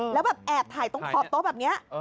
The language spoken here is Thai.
แล้วแบบแอบถ่ายตรงขอบโต๊ะแบบนี้